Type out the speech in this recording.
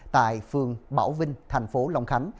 tại phường bảo vinh thành phố long khánh